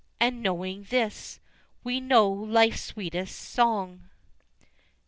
and knowing this, We know life's sweetest song.